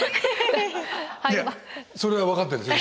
いやそれは分かってるんですよ。